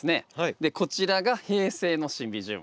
でこちらが平成のシンビジウム。